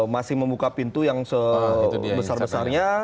masih membuka pintu yang sebesar besarnya